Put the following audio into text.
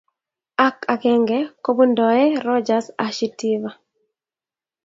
ak akenge kobuntoe Rodgers Ashitiva.